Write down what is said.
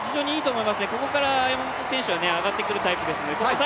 ここから山本選手は上がってくるタイプですので。